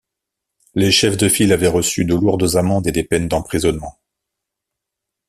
Les chefs de file avaient reçu de lourdes amendes et des peines d'emprisonnement.